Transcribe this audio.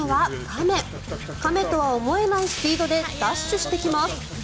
亀とは思えないスピードでダッシュしてきます。